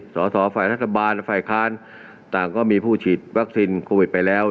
สอสอฝ่ายรัฐบาลและฝ่ายค้านต่างก็มีผู้ฉีดวัคซีนโควิดไปแล้ว